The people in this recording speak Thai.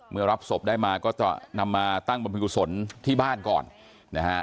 รับศพได้มาก็จะนำมาตั้งบรรพิกุศลที่บ้านก่อนนะฮะ